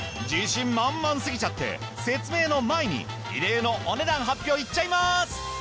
自信満々すぎちゃって説明の前に異例のお値段発表いっちゃいます。